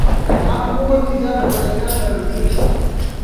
د کوروناویرس په مقابل کې معافیت.